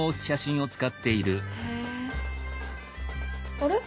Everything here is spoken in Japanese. あれ？